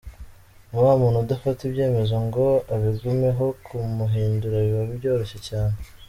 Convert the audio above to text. Ni wa muntu udafata ibyemezo ngo abigumeho kumuhindura biba byoroshye cyane.